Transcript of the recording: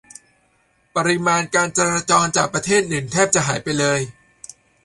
ปริมาณการจราจรจากประเทศหนึ่งแทบจะหายไปเลย